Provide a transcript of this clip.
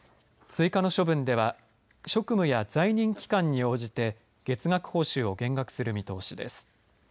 追加の処分では職名や在任期間に応じて月額報酬を減額する見通しです。